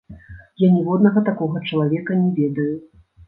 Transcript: Я ніводнага такога чалавека не ведаю.